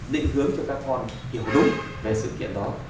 định hướng cho các con hiểu đúng về sự kiện đó